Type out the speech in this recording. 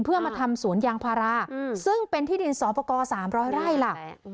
เพื่อมาทำสวนยางพาราซึ่งเป็นที่ดินสอปกร๓๐๐ไร่ล่ะ